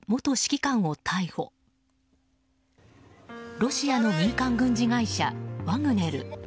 ロシアの民間軍事会社ワグネル。